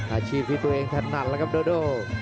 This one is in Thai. อาชีพที่ตัวเองถนัดแล้วครับโดโด